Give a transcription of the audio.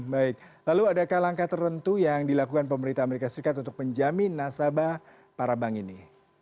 baik lalu adakah langkah tertentu yang dilakukan pemerintah amerika serikat untuk menjamin nasabah para bank ini